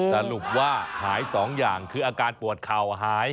สรุปว่าหาย๒อย่างคืออาการปวดเข่าหาย